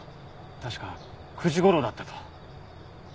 確か９時ごろだったと。